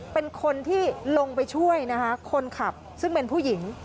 เป็นคนที่ลงไปช่วยนะคะคนขับซึ่งเป็นผู้หญิง